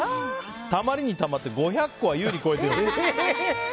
たまりにたまって５００個は優に超えています。